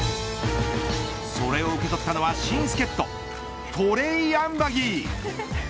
それを受け取ったのは新助っ人トレイ・アンバギー。